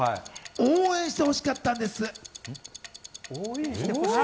応援してほしかったんです。